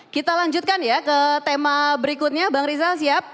kita lanjutkan ya ke tema berikutnya bang rizal siap